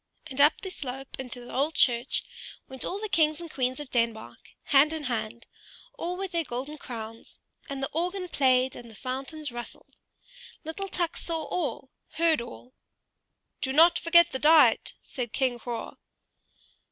And up the slope into the old church went all the kings and queens of Denmark, hand in hand, all with their golden crowns; and the organ played and the fountains rustled. Little Tuk saw all, heard all. "Do not forget the diet," said King Hroar.